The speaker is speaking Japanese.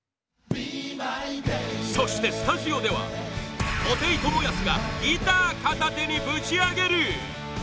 そして、スタジオでは布袋寅泰がギター片手にぶちアゲる！